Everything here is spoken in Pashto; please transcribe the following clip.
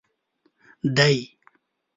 دی.